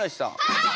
はい！